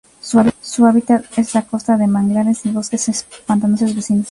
Su hábitat es la costa de manglares y bosques pantanosos vecinos.